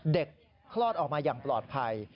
คลอดออกมาอย่างปลอดภัย